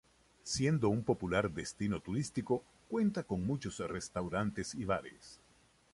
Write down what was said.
Siendo un popular destino turístico, cuenta con muchos restaurantes y bares.